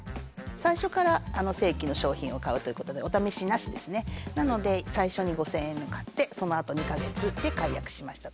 最初から正規の商品を買うということでおためしなしですねなので最初に５，０００円のを買ってそのあと２か月で解約しました。